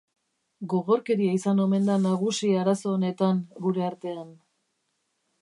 Gogorkeria izan omen da nagusi arazo honetan gure artean.